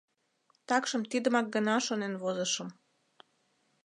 Такшым тидымак гына шонен возышым.